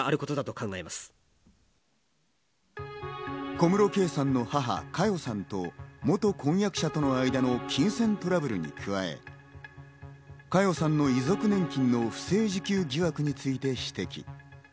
小室圭さんの母・佳代さんと元婚約者との間の金銭トラブルに加え、佳代さんの遺族年金の不正受給疑惑について指摘。